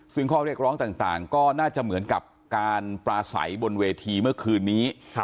ซึ่งข้อเรียกร้องต่างก็น่าจะเหมือนกับการปลาใสบนเวทีเมื่อคืนนี้